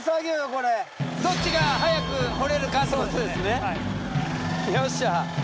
これどっちが早く掘れるかそうですねよっしゃ